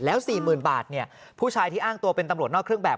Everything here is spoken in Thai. แล้ว๔๐๐๐บาทผู้ชายที่อ้างตัวเป็นตำรวจนอกเครื่องแบบ